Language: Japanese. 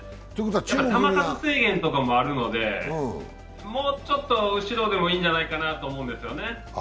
球数制限とかもあるのでもうちょっと後ろでもいいんじゃないかなと思うんですよね。